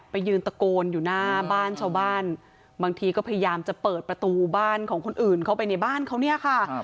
ไปยืนตะโกนอยู่หน้าบ้านชาวบ้านบางทีก็พยายามจะเปิดประตูบ้านของคนอื่นเข้าไปในบ้านเขาเนี่ยค่ะ